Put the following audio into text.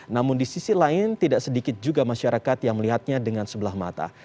namun di sisi lain tidak sedikit juga masyarakat yang melihatnya dengan sebelah mata